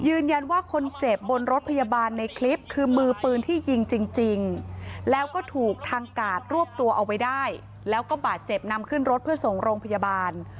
ยืนยันว่าคนเจ็บบนรถพยาบาลในคลิปคือมือปืนที่ยิงจริงแล้วก็ถูกทางกาดรวบตัวเอาไว้ได้แล้วก็บาดเจ็บนำขึ้นรถเพื่อส่งโรงพยาบาล